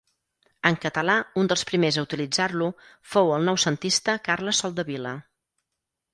En català, un dels primers a utilitzar-lo fou el noucentista Carles Soldevila.